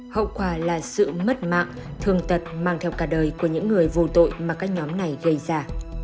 hậu quả là sự mất mạng thường tật mang theo cả đời của những người vô tội mà các nhóm này gây ra